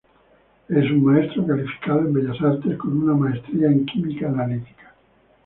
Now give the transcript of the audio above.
Es un maestro calificado en Bellas Artes, con una maestría en química analítica.